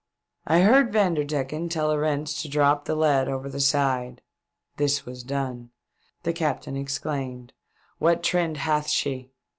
I heard Vanderdecken tell A rents to drop the lead over the side. This was done. The captain exclaimed " What trend hath she